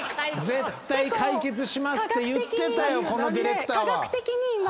「絶対解決します」って言ってたよこのディレクターは。